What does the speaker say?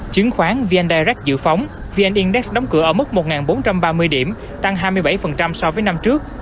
chứng khoán vn direct dự phóng vn index đóng cửa ở mức một bốn trăm ba mươi điểm tăng hai mươi bảy so với năm trước